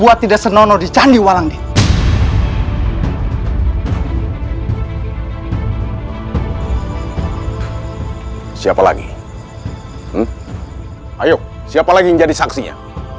ayo siapa lagi yang jadi saksinya